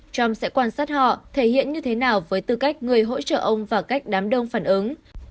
trump sẽ quan sát họ thể hiện như thế nào với tư cách người hỗ trợ ông và cách đám đông phản ứng